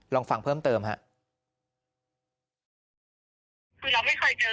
ลองฟังเพิ่มเติมครับ